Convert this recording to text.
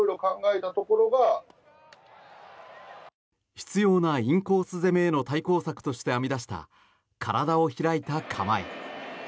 執ようなインコース攻めへの対抗策として編み出した体を開いた構え。